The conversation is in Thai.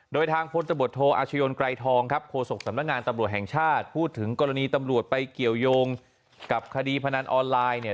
โดยทางพลตำรวจโทอาชญนไกรทองครับโฆษกสำนักงานตำรวจแห่งชาติพูดถึงกรณีตำรวจไปเกี่ยวยงกับคดีพนันออนไลน์เนี่ย